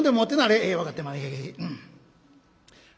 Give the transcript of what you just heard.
「ええ分かってま」。